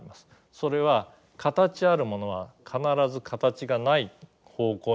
それは形あるものは必ず形がない方向にしか動かない。